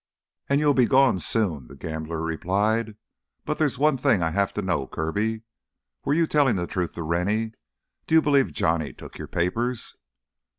"And you'll be gone, soon," the gambler replied. "But there's one thing I have to know, Kirby. Were you telling the truth to Rennie—do you believe Johnny took your papers?"